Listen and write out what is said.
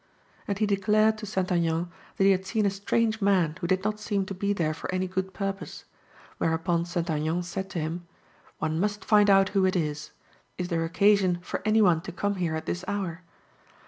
And he declared to St. Aignan that he had seen a strange man who did not seem to be there for any good purpose; whereupon St. Aignan said to him: 'One must find out who it is. Is there occasion for any one to come here at this hour?